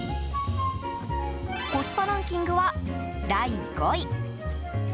コスパランキングは、第５位。